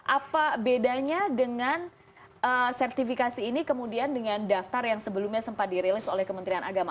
apa bedanya dengan sertifikasi ini kemudian dengan daftar yang sebelumnya sempat dirilis oleh kementerian agama